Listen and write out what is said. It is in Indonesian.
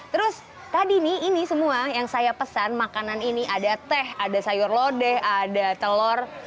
terus tadi nih ini semua yang saya pesan makanan ini ada teh ada sayur lodeh ada telur